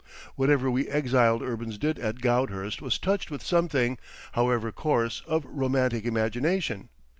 Whatever we exiled urbans did at Goudhurst was touched with something, however coarse, of romantic imagination.